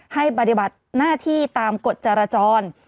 ปฏิบัติหน้าที่ตามกฎจรจร